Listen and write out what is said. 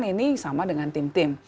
ini sama dengan tim tim